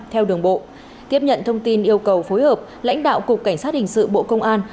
theo đường bộ tiếp nhận thông tin yêu cầu phối hợp lãnh đạo cục cảnh sát hình sự bộ công an